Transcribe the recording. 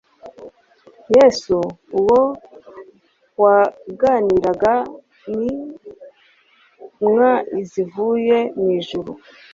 Yesu uwo waganiraga n'inWmwa zivuye mu ijuru,